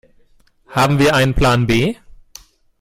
Haben wir einen Plan B?